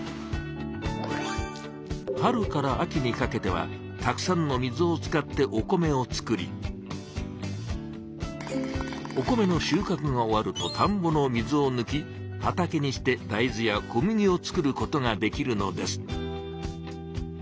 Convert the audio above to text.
春から秋にかけてはたくさんの水を使ってお米を作りお米のしゅうかくが終わるとたんぼの水をぬき畑にして大豆や小麦を作ることができるのです。